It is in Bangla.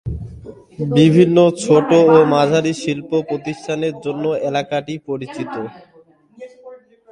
বিভিন্ন ছোটো ও মাঝারি শিল্প প্রতিষ্ঠানের জন্য এলাকাটি পরিচিত।